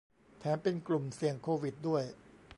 แถมเป็นกลุ่มเสี่ยงโควิดด้วย